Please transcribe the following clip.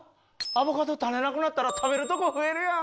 アボカド種なくなったら食べるとこ増えるやん。